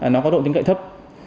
nó có độ tính cậy thấp